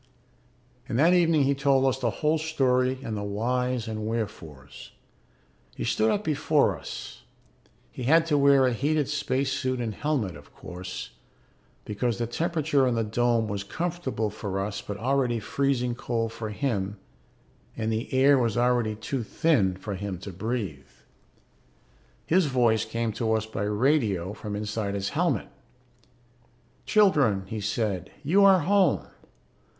And that evening he told us the whole story and the whys and wherefores. He stood up before us. He had to wear a heated space suit and helmet, of course, because the temperature in the dome was comfortable for us but already freezing cold for him and the air was already too thin for him to breathe. His voice came to us by radio from inside his helmet. "Children," he said, "you are home.